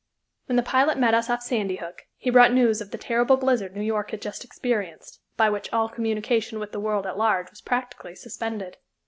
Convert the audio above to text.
When the pilot met us off Sandy Hook, he brought news of the terrible blizzard New York had just experienced, by which all communication with the world at large was practically suspended.